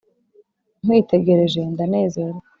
Nkwitegereje ndanezerwa